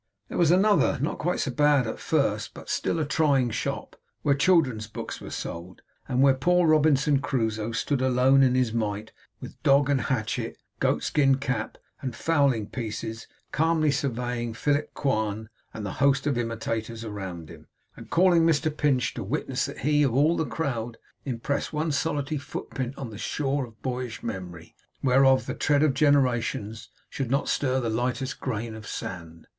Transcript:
There was another; not quite so bad at first, but still a trying shop; where children's books were sold, and where poor Robinson Crusoe stood alone in his might, with dog and hatchet, goat skin cap and fowling pieces; calmly surveying Philip Quarn and the host of imitators round him, and calling Mr Pinch to witness that he, of all the crowd, impressed one solitary footprint on the shore of boyish memory, whereof the tread of generations should not stir the lightest grain of sand.